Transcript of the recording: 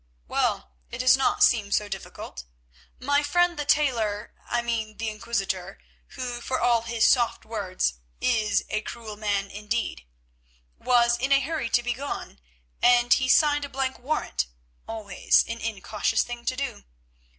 "Well, it does not seem so difficult. My friend, the tailor—I mean the Inquisitor—who, for all his soft words, is a cruel man indeed, was in a hurry to be gone, and—he signed a blank warrant, always an incautious thing to do.